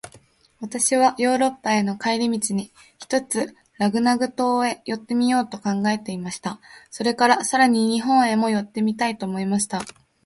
私はヨーロッパへの帰り途に、ひとつラグナグ島へ寄ってみようと考えていました。それから、さらに日本へも寄ってみたいと思いました。